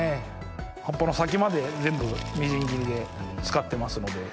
葉っぱの先まで全部みじん切りで使ってますので。